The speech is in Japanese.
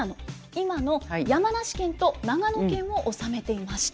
今の山梨県と長野県を治めていました。